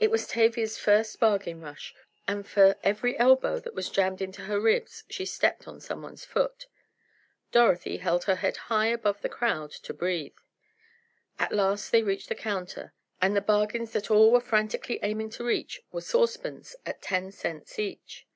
It was Tavia's first bargain rush, and for every elbow that was jammed into her ribs, she stepped on someone's foot. Dorothy held her head high above the crowd to breathe. At last they reached the counter, and the bargains that all were frantically aiming to reach were saucepans at ten cents each.